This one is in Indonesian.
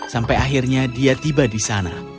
sampai akhirnya dia tiba di sana